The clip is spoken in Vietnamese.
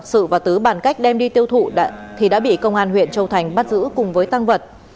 sự và tứ bàn cách đem đi tiêu thụ thì đã bị công an huyện châu thành bắt giữ cùng với tăng vật